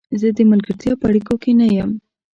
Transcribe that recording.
زه د ملګرتیا په اړیکو کې نه یم.